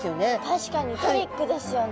確かにトリックですよね。